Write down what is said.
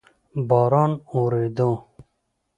باران اوورېدو؟